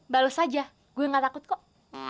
balus aja gue nggak takut kok